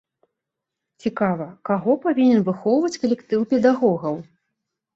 Цікава, каго павінен выхоўваць калектыў педагогаў?